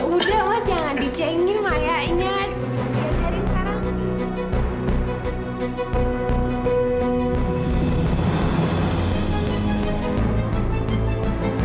udah mas jangan dicengir maya inyat